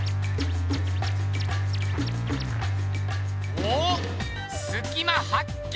おおっすき間はっけん！